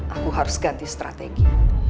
aku harus ganti strategi